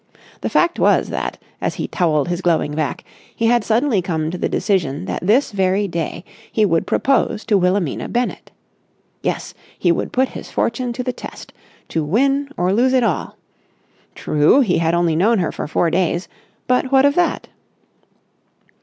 The fact was that, as he towelled his glowing back, he had suddenly come to the decision that this very day he would propose to Wilhelmina Bennett. Yes, he would put his fortune to the test, to win or lose it all. True, he had only known her for four days, but what of that?